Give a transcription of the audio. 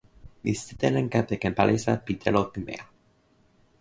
mi sitelen kepeken palisa pi telo pimeja.